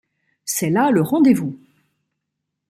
C’est là le rendez-vous.